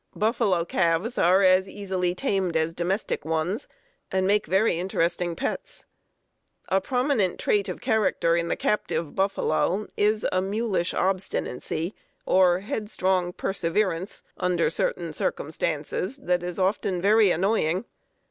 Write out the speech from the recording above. Buffalo calves are as easily tamed as domestic ones, and make very interesting pets. A prominent trait of character in the captive buffalo is a mulish obstinacy or headstrong perseverance under certain circumstances that is often very annoying.